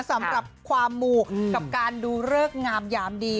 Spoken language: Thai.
สำหรับความหมู่กับการดูเลิกงามยามดี